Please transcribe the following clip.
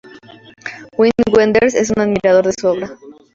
Wim Wenders es un admirador de su obra.